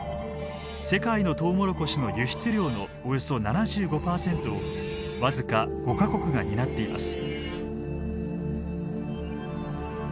世界のトウモロコシの輸出量のおよそ７５％を僅か５か国が担っています。